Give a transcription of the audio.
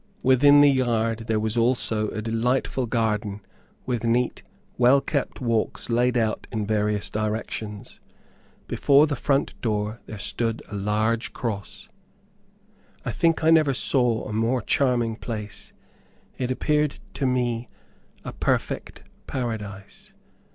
Within the yard, there was also a delightful garden, with neat, well kept walks laid out in various directions. Before the front door there stood a large cross. I think I never saw a more charming place; it appeared to me a perfect paradise.